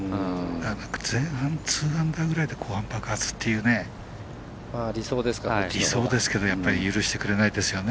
前半、２アンダーぐらいで後半爆発ぐらいが理想ですけど許してくれないですよね。